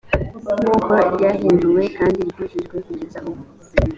nk uko ryahinduwe kandi ryujujwe kugeza ubu